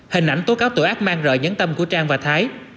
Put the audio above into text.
hình ảnh tố cáo tội ác mang rời nhấn tâm của trang và thái